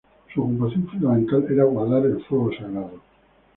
Su ocupación fundamental era guardar el fuego sagrado.